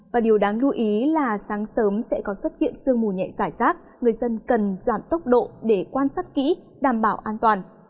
và điều đáng lưu ý là sáng sớm sẽ có xuất hiện sương mù nhẹ giải rác người dân cần giảm tốc độ để quan sát kỹ đảm bảo an toàn